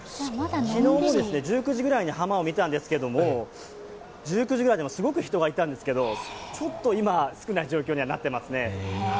昨日も昨日１９時ぐらいに浜を見たんですけどすごく人がいたんですけど、今、少ない状況にはなっていますね。